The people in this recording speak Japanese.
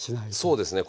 そうですね。